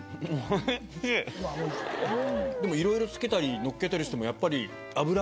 でもいろいろつけたりのっけたりしてもやっぱり。